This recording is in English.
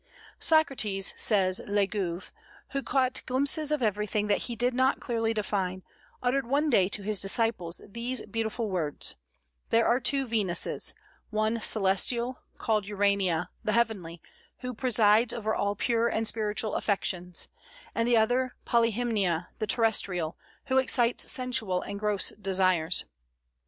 "Socrates," says Legouvé, "who caught glimpses of everything that he did not clearly define, uttered one day to his disciples these beautiful words: 'There are two Venuses: one celestial, called Urania, the heavenly, who presides over all pure and spiritual affections; and the other Polyhymnia, the terrestrial, who excites sensual and gross desires.'"